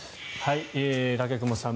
武隈さん。